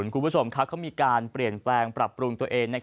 คุณผู้ชมเขามีการเปลี่ยนแปลงปรับปรุงตัวเอง